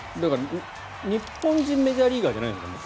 日本人メジャーリーガーじゃないですもんね